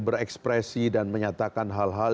berekspresi dan menyatakan hal hal